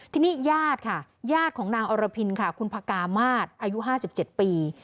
ทีนี้ญาติค่ะญาติของนางอรพินค่ะคุณพกามาศอายุ๕๗ปี